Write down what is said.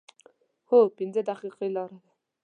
هو، پنځه دقیقې لاره ده